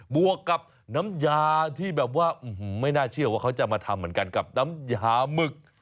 วกกับน้ำยาที่แบบว่าไม่น่าเชื่อว่าเขาจะมาทำเหมือนกันกับน้ำยาหมึก